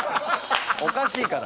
おかしいから。